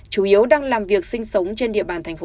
chủ yếu đang làm việc sinh sống trên địa bàn